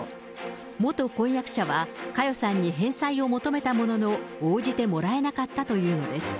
元婚約者は、佳代さんに返済を求めたものの、応じてもらえなかったというのです。